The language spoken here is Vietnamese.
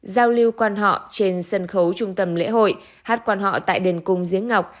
giao lưu quan họ trên sân khấu trung tâm lễ hội hát quan họ tại đền cung giếng ngọc